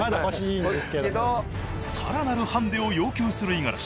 さらなるハンデを要求する五十嵐。